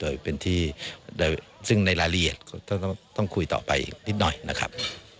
ได้เป็นที่ในลาเลียทก็ต้องคุยต่อไปอีกนิดหน่อยนะครับ